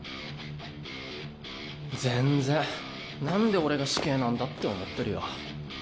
「なんで俺が死刑なんだ？」って思ってるよ。